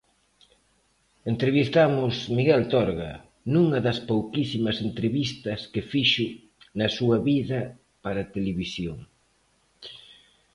Entrevistamos Miguel Torga, nunha das pouquísimas entrevistas que fixo na súa vida para televisión.